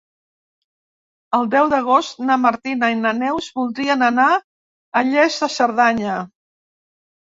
El deu d'agost na Martina i na Neus voldrien anar a Lles de Cerdanya.